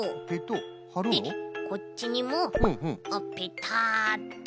はるの？でこっちにもペタッと。